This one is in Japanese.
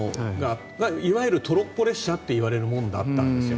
いわゆるトロッコ列車っていわれるもので行ってたんですよ